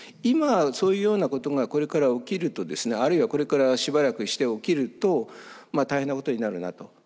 今そういうようなことがこれから起きるとですねあるいはこれからしばらくして起きると大変なことになるなと。